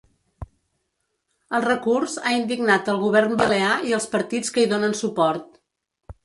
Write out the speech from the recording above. El recurs ha indignat el govern balear i els partits que hi donen suport.